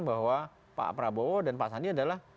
bahwa pak prabowo dan pak sandi adalah